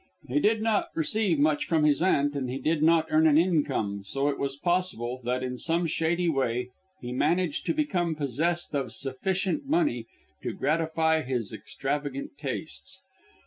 He did not receive much from his aunt and he did not earn an income, so it was possible that in some shady way he managed to become possessed of sufficient money to gratify his extravagant tastes.